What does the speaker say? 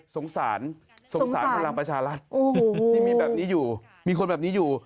สงสารสงสารพลังประชารัฐที่มีแบบนี้อยู่มีคนแบบนี้อยู่